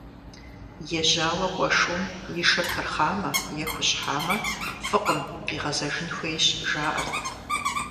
Ежьауэ кӀуэ шум и шыр пырхъамэ е хущхьамэ, фӀыкъым, къигъэзэжын хуейщ, жаӀэрт.